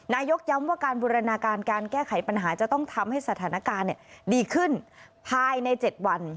ย้ำว่าการบูรณาการการแก้ไขปัญหาจะต้องทำให้สถานการณ์ดีขึ้นภายใน๗วัน